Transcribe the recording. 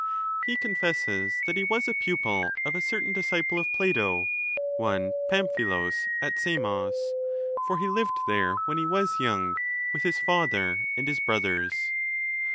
He confesses that he was a pnpil of a certain disciple of Plato, one Paraphilns, at Samos ; for he lived there when he was young, with his father and his brothers.